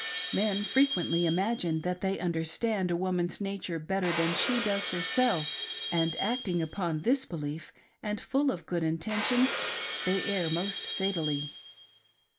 Men frequently imagine that they understand a woman's nature better than she does herself, and acting upon this belief, and full of good intentions, they err most fatally.